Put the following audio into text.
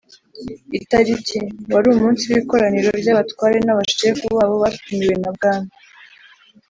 Itariki: wari umunsi w'Ikoraniro ry'Abatware n'Abashefu babo batumiwe na Bwana